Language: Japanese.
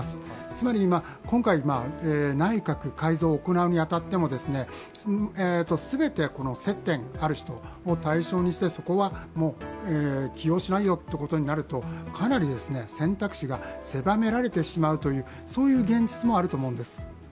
つまり、今回、内閣改造を行うに当たっても、全て接点のある人を対象にして、そこは起用しないことになるとかなり選択肢が狭められてしまうというそういう現実もあると思います。